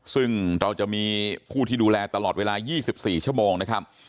ซึ่งเราจะมีผู้ที่ดูแลตลอดเวลา๒๔ชั่วโมงนะครับ